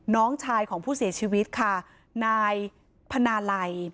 น้องชายของผู้เสียชีวิตค่ะนายพนาลัย